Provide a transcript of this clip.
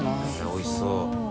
おいしそう。